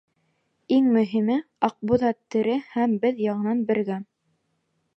Иң мөһиме: Аҡбуҙат тере һәм беҙ яңынан бергә.